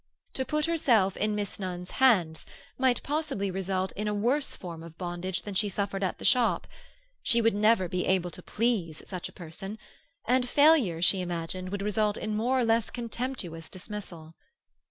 To put herself in Miss Nunn's hands might possibly result in a worse form of bondage than she suffered at the shop; she would never be able to please such a person, and failure, she imagined, would result in more or less contemptuous dismissal.